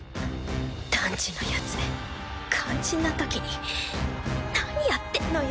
ダンジのヤツめ肝心な時に何やってんのよ。